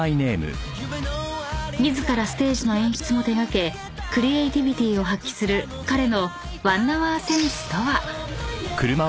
［自らステージの演出も手掛けクリエーティビティーを発揮する彼の］